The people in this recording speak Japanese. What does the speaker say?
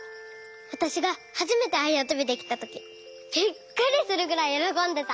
わたしがはじめてあやとびできたときびっくりするぐらいよろこんでた。